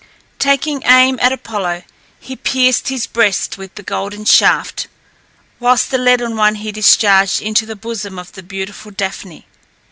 Taking aim at Apollo, he pierced his breast with the golden shaft, whilst the leaden one he discharged into the bosom of the beautiful Daphne.